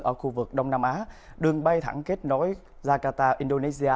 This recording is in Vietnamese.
ở khu vực đông nam á đường bay thẳng kết nối jakarta indonesia